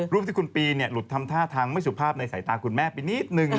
รูปที่คุณปีหลุดทำท่าทางไม่สุภาพในสายตาคุณแม่ไปนิดนึง